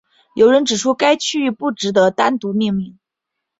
有人指出该区域不值得单独命名。